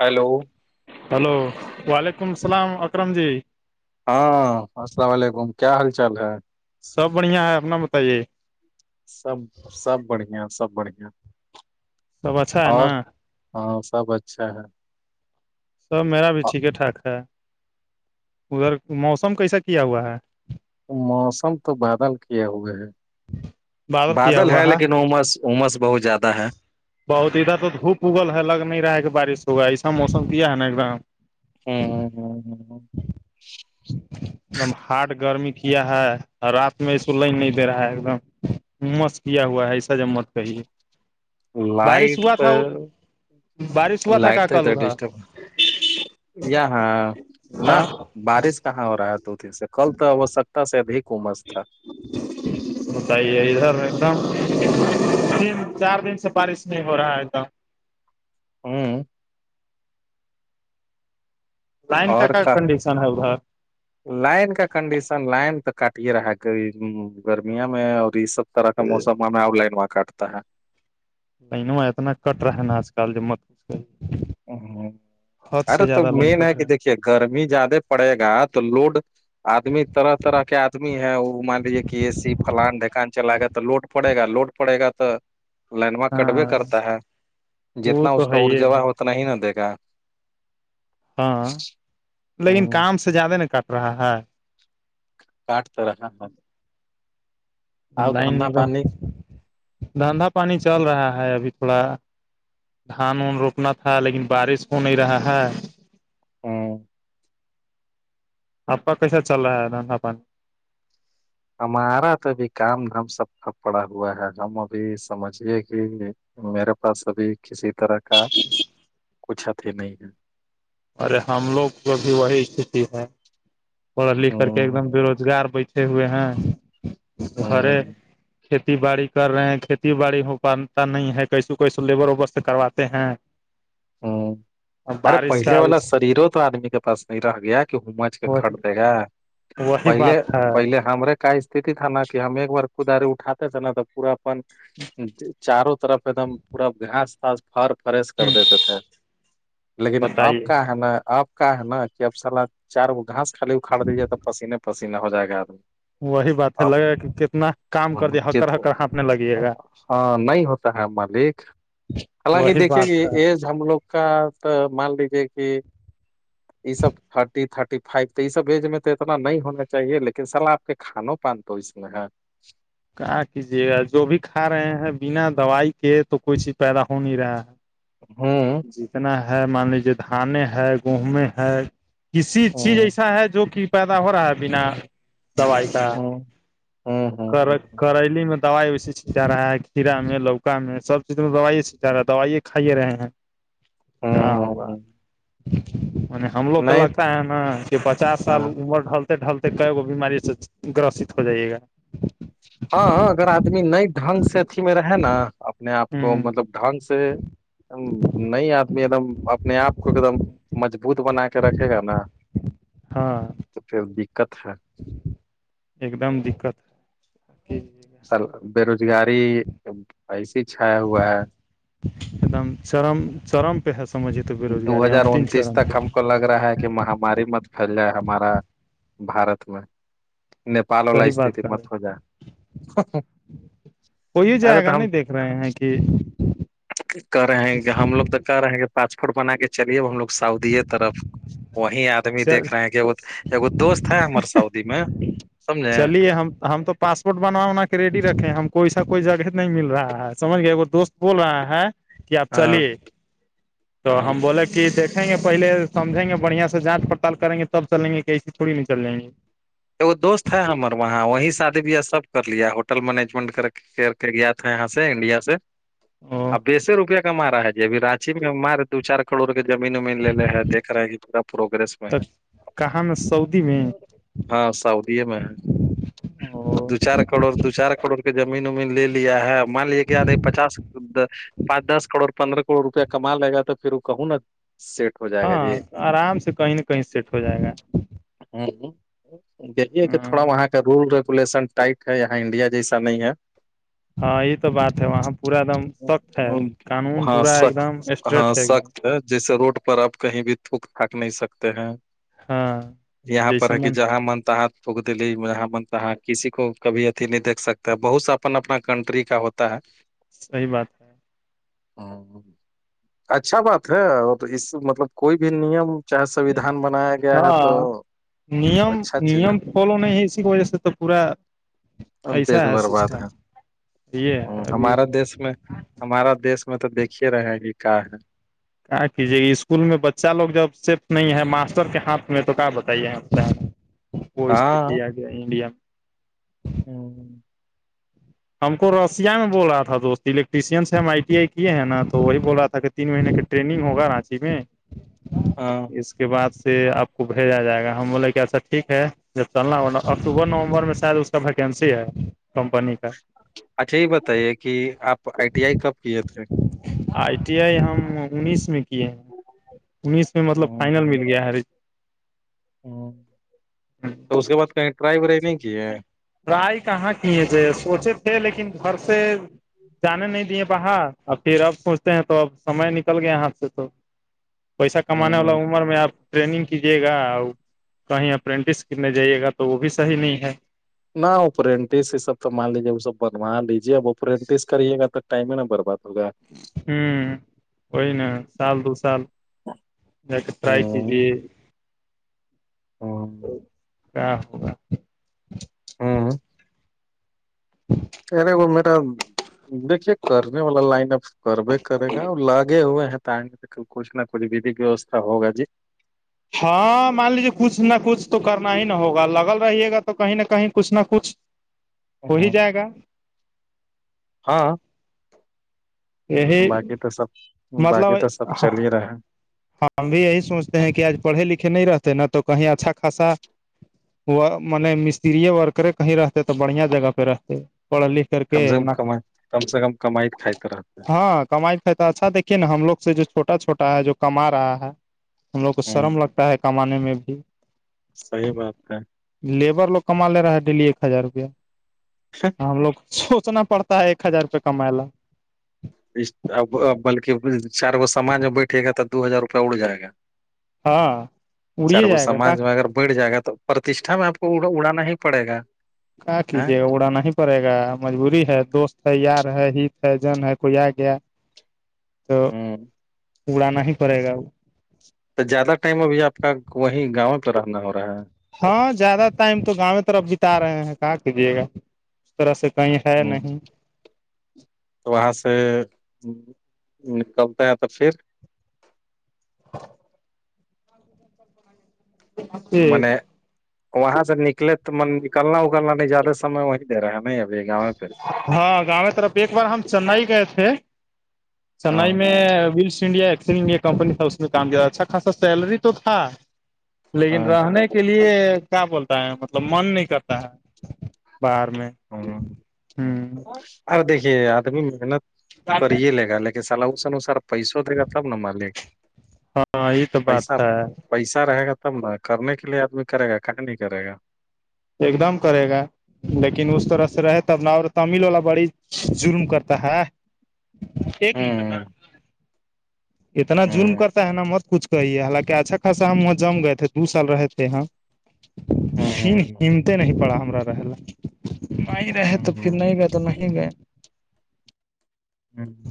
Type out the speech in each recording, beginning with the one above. hello [unintelligible] hello وعلیکم السلام اکرم جی ہاں السلام علیکم کیا حال چال ہے سب بڑھیا ہے اپنا بتائیے سب سب بڑھیا سب بڑھیا سب اچھا ہے نا اور ہاں سب اچھا ہے سب میرا بھی آ، ٹھیک ہے ٹھاک ہے ادھر موسم کیسا کیا ہوا ہے موسم تو بادل کیے ہوئے ہیں بادل ہے لیکن عمس عمس بہت زیادہ ہے بہت ادھر تو دھوپ اگل ہے لگ نہیں رہا ہے بارش ہوگا ایسا موسم کیا ہے نا ایک دم ہوں ہوں ہوں ایک دم ہارڈ گرمی کیا ہے رات میں اس کو لائن نہیں دے رہا ہے ایک دم عمس کیا ہوا ہے ایسا جمت کہیے بارش لائٹ ہوا تو تھا بارش ہوا تھا کا لائٹ تو کل ادھر ڈسٹرب یہاں نہ ہاں بارش کہاں ہو رہا ہے دو دن سے کل تو ہو سکتا ادھک امس تھا بتائیے ادھر ایک دم تین چار دن سے بارش نہیں ہو رہا ہے ایک دم ہوں لائن کا کنڈیشن ہے ادھر لائن کا کنڈیشن لائن تو کاٹ رہا ہے گرمیاں میں اور یہ سب اس طرح کا موسم ہمیں آور لائن کاٹتا ہے لائنوں اتنا کٹ رہا ہے نا آج کل مت حد سے ارے تو زیادہ لائن مین ہے کٹ رہا کہ دیکھیے گرمی زیادہ پڑے گا تو لوڈ آدمی طرح طرح کے آدمی ہے وہ مان لیے کہ اے سی فلان ڈھکان چلا گا تو لوڈ پڑے گا لوڈ پڑے گا تو لائنوا کٹوے ہاں کرتا ہے وہ جتنا اس تو کا ہے یہ ارجا ہے اتنا ہی نہ دے گا ہاں ہ لیکن کام سے زیادہ نہیں کٹ رہا ہے [unintelligible] آؤ لائن دھندا نگم پانی دھندندا پانی چل رہا ہے ابھی تھوڑا دھان وان روپنا تھا لیکن بارش ہو نہیں رہا ہے ہاں آ پکا کیسا چل رہا ہے دھندا پانی ہمارا توبھی کام ہم سب کا پڑا ہوا ہے ہم ابھی سمجھیے کہ میرے پاس ابھی کسی طرح کا کچھ اتیھی نہیں ہے ارے ہم لوگ کو بھی وہی استھتی ہے پڑھ لکھ کر کے ایک ہ دم بے روزگار بیٹھے ہوئے ہیں گھر ہ کھیتی باڑی کر رہے ہیں کھیتی باڑی ہو پاتا نہیں ہے کیسو کیسو لیبر اور سے کرواتے ہیں ہوں اور ارے بارش پہلے کا والا شریروں تو آدمی کے پاس نہیں رہ گیا کہ ہومچ کھٹ وہی دے گا وہی پہلے بات ہے پہلے ہمارے کا استھتی تھا نا کہ ہم ایک بار کداری اٹاتے تھے نا تب پورا اپن چاروں طرف ایک دم پورا گھاس پھاس فر فریش کر دیتے تھے ہے لیکن آپ بتائیے کا ہے نا آپ کا ہے نا کہ اب سالا چار گو گھاس خالی اکھاڑ دیجیے تو پسینے پسینے ہوجائے گا آدمی وہی بات ہے لگے کہ کتنا کام کر دیا ہکر ہکر ہانپنے لگیے گا ہاں نہیں ہوتا شعیب ملک حالانکہ وہی دیکھینگے بات ہے ایک ہم لوگ کا تو مان لیجیے کہ [unintelligible] نہر کا کیجے گا جو بھی کھا رہے ہیں بنا دوائی کے تو کوئی چیز پیدا ہو نہیں رہا ہے ہوں جتنا ہے مان لیجیے دھان ہے گیہوں ہے کسی ہ چیز ہ ایسا ہے جو کہ پیدا ہو رہا ہے بنا دعائے سا ہوں ہ ہ کر کریلی میں دوائی ویے چھیٹا جا رہا ہے کھیرا میں لوکا میں سب چیزوں میں دوائی چھیٹا جا رہا ہے دوائیے کھائیے رہے ہیں کہ ہوگا ہ م ہم لوگ کا نہیں لگتا ہے نا کہ پچاس سال ہاں امر ڈ ڈلتے کئے وہ بیماری سے گرست ہو جائیے گا ہاں اگر آدمی نئی ڈھنگ سے اھی میں رہے نا اپنے آپ کو ہوں مطلب ڈھنگ سے نئی آدمی ایک دم اپنے آپ کو ایک دم مجبوط بنا کے رکھے گا نا ہاں تو پھر دقت ہے ایک دم دقت ا جی سر بےروزگاری ایسی چھیا ہوا ہے ایکم چرم چرم پہ حسم مجج ہے تو بے روزگاری ہمم تن چرم پہ ل رہا ہے کہ مہ ہماری مت پھیل جائے ہمارا بارت میں نیپال وال لا صحیح بات استتی کہا ہے متو جا ہو ہی ارے جائے تو گا ہم نہیں دیکھ رہے ہیں کہ کر رہے ہیں کہ ہم لوگ تو کر رہے پاسپورٹ بنا کے چلیے ہم لوگ سعودی طرف وہی آدمی چل دیکھ رہے ہیں کہ دوست ہے ہمار سعودی میں سمجھے چلیے ہم ہم تو پاسپورٹ بناوا بنا کے ریڈی رکھے ہم کوئی سا کوئی جگہ نہیں مل رہا ہے سجھ گئےے دوست بول رہا ہے کہ آپ ہاں چلیے تو ہاں ہم بولے کہ دھیں گے پہلے سمھیں گے بڑھیا سے جانچ پڑتال کریں گے تب چلیں گے کہ ایسی تھوڑی نہیں چل جیں گے اگو دوست ہے ہمارر وہاں وہی شادی بیاہ س کر لیا ہوٹل مینجمنٹ کر کے کر کے گیا تھا یہاں سے انڈیا سے او اب بیسے روپیہ کاما رہا ہے جی ابھی رانچی میں مار دو چار کروڑ کے زمین ومین لے لے ہے دیک رہا ہے کہ پورا پروگرریس میں تب ہے کہاں میں سعودی میں ہاں سعودی میں ہے تو او دو چار کروڑ دو چار کروڑ کے زمین ومین لے لیا ہے مان لے کہ نہیں پچاس پانچ دس کروڑ پندرہ کروڑ روپیہ کما لے گا تو پھر وہ کہوں نا سیٹ ہو جائے گا ہاں جی آرام سے کہیں نہ کہیں سیٹ ہو جائے گا ہ دیکے کہ ہ تھوڑا وہاں رول ریگولیشن ٹائٹ ہے یہاں انڈیا جیسا نہیں ہے ہاں یہ تو بات ہے وہاں پورا ایک دم سخت ہے قانون ہاں پورا ایک دم سخت ہاں اسٹریٹ ہے ایک دم سخت جیسے روڈ پر آپ کہیں بھی تھوک تھک نہیں سکتے ہیں ہاں یہاں پر جیسا من اں منتا ہ پگ دلی یہاں منتا کسی کو کبھی اتیھی نہیں دھ سکتا بہت سا اپن اپنا کنٹری کا ہوتا تا ہے صحی بات ہے ہاں اچھا بات ہے اور اس مطلب کوئی بھی نیم چاہے سویدھان بنایا گیا ہے تو ہاں نیم نیم فالو نہیں ہے اسی کی وجہ سے تو پورا ایسا ہے سسٹم یہ ہے ابھی ہمارا دیش میں تو دیکھیے رہے ہیں کہ کیا ہے کیا کیجیے اسکول میں بچہ لوگ جب صفٹ نہیں ہے ماسٹر کے ہاتھ میں تو کیا بتائیے وہ است آ ج ہے انڈیا میں ا ہم کو رشیا میں بول رہا تھا دوست الیکٹریشنس ہم آئی ٹی آئی کیے ہیں نا تو وہی بول رہا تھا کہ تین مہینے کا ٹریننگ ہوگا رانچی میں ہاں اس کے بعد سے آپ کو بھیجا جائے گا ہم بولے کہ اھا ٹھیک ہے جب چلنا ہو اکتوبر نومبر میں شاید اس کا ویکینسی ہے کمپنی کا اچھا یہ بتائیے کہ آپ آئی ٹی آئی کب کیے تھے آئی ٹی آئی ہم انیس میں کیے ہیں انیس میں مطلب فائنل میں گیا ہر ہ تو اس کے بعد کہیں ٹرائی ورائی نہیں کی ہے رائی کہاں کیے تھے سوچے تھے لیکن گھر سے جانے نہیں دیے بہر ا پھر اب سوچتے ہیں تو اب سمے نکل گیا ہاتھ سے تو پیسہ کمانے والا عمر میں آپ ٹریننگ کیجیے گا کہیں اپرینٹس کرنے جائیے گا تو وہ بھی صحیح نہیں ہے نہ اوپرینٹس یہ سب تو مان لیجیے وہ سب بنوا لیجیے اب اوپرینٹس کریے گا تو ٹائم نا بر با تو گا ہوں وہی نا سال دو سال ج کے ٹرائی چز ہوں جی ہوں کیا ہوگا ہوں ارے وہ میرا دیکھیے کرنے والا لائن اپ کروے کرے گا اور لگے ہوئے ہیں ت ک کچ نہ کچ ویدیک ویوستا ہوگا جی ہاں مان لیجیے کچھ نہ کچھ تو کرنا ہی نہ ہوگا لگل رہیے گا تو کہیں نہ کہیں کچھ نہ کچھ ہو ہی جائے گا ہاں یہی باقی تو سب باقی تو سب مطلب چل رہے ہم بھی یہی سوچتے ہیں کہ آج پڑھے لکھے نہیں رہتے نا تو کہیں اچھا خاصا م مستریے ورکرے کہیں رہتے تو بڑھیا جگہ پہ رہتے پڑ لکھ کر کے کم سے کم نہ کم کم سے کم کمائی ک رہ ہاں کمائیائی تو اچھا دیکھیے نا ہم لوگ سے جو چھوٹا چھٹا ہے جو کما رہا ہے ہم لوگ کو ہوں شرم لگتا ہے کمانے میں بھی صحیح بات کا لیبر لوگ کما لے رہا ہے ڈیلی ایک ہزار روپیہ ہم لوگ سوچنا پڑتا ایک ہزار روپئے کما اب بلکہ چار گ سامان جب بیٹھے گا تو دو ہزار روپیہ اڑ جائے گا ہاں اڑیے چارگو جائے گا سماج میں اگر بڑھ جائے گا تو پرتیشٹھا میں آپ کو اڑانا ہی پڑے گا کہ ہ کیجیے گا اڑا ہی پڑے گا مجبوری ہے دوست ہے یار ہے ہت ہے جن ہے کوئی آ گیا تو ہوں اڑانا ہی پڑے گا وہ تو زیادہ ٹائم ابھی آپ کا وہیں گاؤں پہ رہنا ہو رہا ہے ہاں زیادہ ٹائم تو گاؤں طرف بتا رہے ہیں کہاں کیجیے گا اس طرح سے کہیں ہے ہ نہیں تو وہاں سے نکلتا ہے تو پھر س ب م وہاں سے نکلے تو م نکلنا اکلنا نہیں زیادہ سمے وہیں ہمبگ میں کر ہاں گاؤں طرف ایک بار ہم چنئی گئے تھے ہاں چنائی میں ویلس انڈیا ایک کمپنی تھا اس میں کام کیا تھا اچھا خاصا سیلری تو تھا ہاں لیکن رہنے کا اس کے لیے کیا بولتا ہے مطلب من نہیں کرتا ہے باہر میں ہ ہ ار دیکھیے آدمی محنت کریے لے گا لیکن سلاح اس انسار پیسوں دے گا تب نا مالک ہاں یہ تو پیسہ بات ہے پیسہ رہے گا تب ن کرنے کے لیے آدمی کرے گا کہاں نہیں کرے گا ایک دم کرے گا لیکن اس طرح سے رہ تب اور تمل والا بڑی جرم کرتا ہے ایک لیٹر نا ہوں اتنا جظرم ہوں کرتا ہے نا مت کچھ ہییے حالانکہ اچھا خاصا ہم وہ جم گئے تھے دو سال رہے تھے ہیں ہوں شم ہوں، ہمتے نہیں پڑا ہمار رہ ل نہیں رہے تو پھر ہوں، نہیں گئے تو نہیں گئے ہوں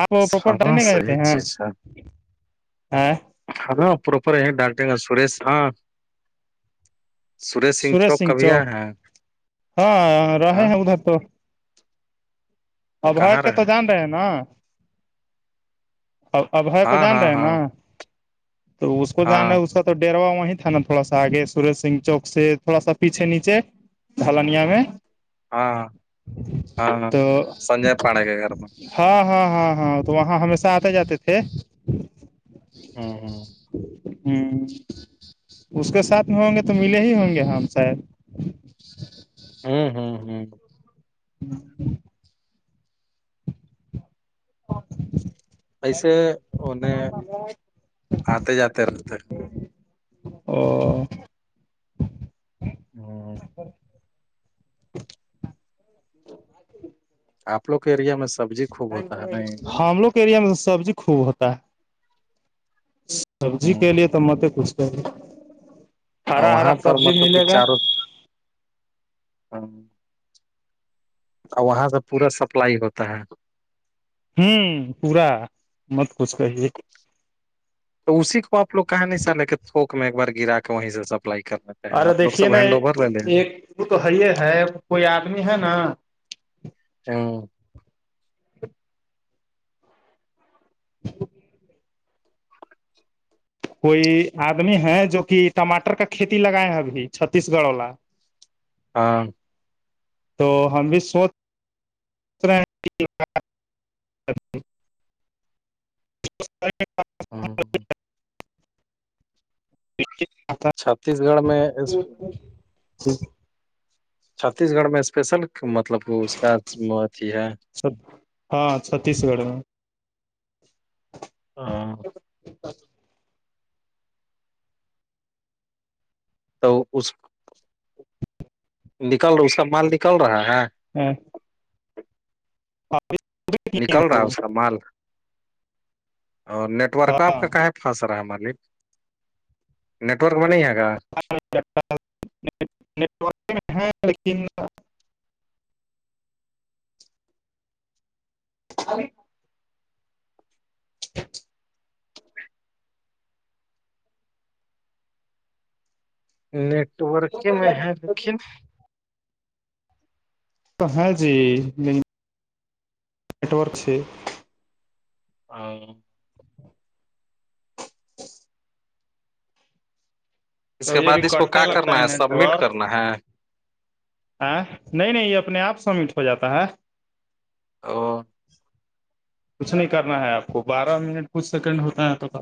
آپ پراپر ہاں ٹرین گئے صحی تھے ہیں چیز ہے ا [unintelligible] [inaudible] سریش سنگھ چوک کبھی آ ہیں ہاں رہے ہاں ہیں ادھر تو اورائے کہاں کے تو رہے جان رہ نا ا ابئے کو ہاں جان رہے ہاں ہیں ہاں نا تو اس کو جانا ہاں اس کا تو ڈروا وہیں تھا نا تھوڑا سا آگے سورج سنگھ چوک سے تھوڑا سا پیچھے نیچے ڈھلنیا میں ہاں ہاں ہاں ہاں تو سجے پان کے گھر میں ہاں ہاں ہاں ہاں تو وہاں ہمیشہ آتے جاتے تھے ہاں ہاں ہوں اس کے ساتھ میں ہوں گے تو ملے ہی ہوں گے ہم شاید ہوں ہوں ہوں ہوں ایسے اننے آتے جاتے رہتے ا [inaudible] ہاں آپوک اییریا م ہم لوگ ایریا میں سبزی خوب ہوتا ہے سبزی ہ کے لیے تو مت کچھ کر ہرا ہرا سبزی ملے گا ہاں اور وہاں سے پورا سپلائی ہوتا ہے ہوں پورا مت کچھ کہیے تو اسی کو آ لوگ کہا نہیں چاہے کہ تھوک میں ایک بار گرا کے وہیں سے سپلائی کر لیں ہیں ارے آپ لوگ دیکھیے سب نا ہینڈ اوور لے ایک وہ تو ہے ہے کوئی آدمی ہے نا ہمم کوئی آدمی ہے جو کہ ٹماٹر کا کھیتی لگائے ابھی چھتیس گڑھ والا ہاں تو ہم بھی سوچ سوچ رہے ا ہاںاں چھتیس گڑھ میں اس- [inaudible] چھتیس گڑھ میں اسپیشل مطلب اس کا اھی ہے چ ہاں چھتیس گڑھ میں ہاں بس تو اس نکل رہا سب مال نکل رہا ہے ہمممم نکل رہا ہے اس کا مال اور نیٹورک آپ ہاں کا کہاں پھس رہا ہے مالک نیٹورک میں نہیں ہے گا [unintelligible] [inaudible] [inaudible] نیٹورک میں ہے لیکن تو ہاں جی نہیں نیٹورک سے [unintelligible] اس کے کبھی بعد ابھی اس کو کٹنے کیا لگتا کرنا ہے سبمٹ کرنا ہے آ نہیں نہیں یہ اپنے آپ سمٹ ہو جاتا ہے او کچھ نہیں کرنا ہے آپ کو بارہ منٹ کچھ سیکنڈ ہوتا ہے تو